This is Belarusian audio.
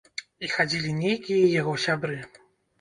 І хадзілі нейкія яго сябры.